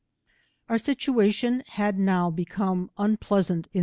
Oursitctafion had now become unpleasant in l!.